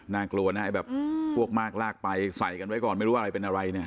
น่ากลัวนะไอ้แบบพวกมากลากไปใส่กันไว้ก่อนไม่รู้อะไรเป็นอะไรเนี่ย